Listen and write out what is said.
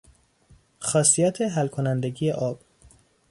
خاصیت حل کنندگی آب